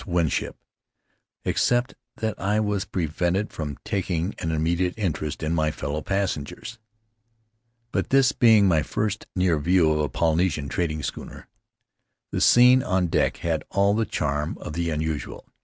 Winship, except that I was prevented from taking an immediate interest in my fellow passengers; but this being my first near view of a Polynesian trading schooner, the scene on deck had all the charm of the unusual.